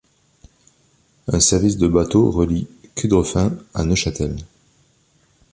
Un service de bateaux relie Cudrefin à Neuchâtel.